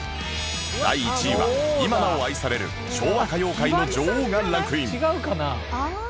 第１位は今なお愛される昭和歌謡界の女王がランクイン